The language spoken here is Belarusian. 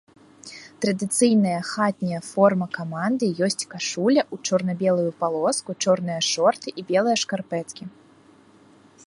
Традыцыйная хатняя форма каманды ёсць кашуля ў чорна-белую палоску, чорныя шорты і белыя шкарпэткі.